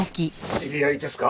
知り合いですか？